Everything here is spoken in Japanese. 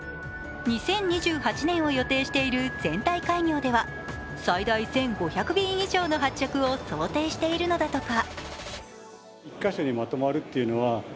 ２０２８年を予定している全体開業では、最大１５００便以上の発着を想定しているのだとか。